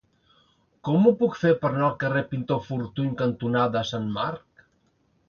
Com ho puc fer per anar al carrer Pintor Fortuny cantonada Sant Marc?